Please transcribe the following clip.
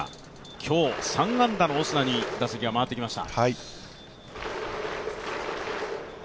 今日、３安打のオスナに打席が回ってきました。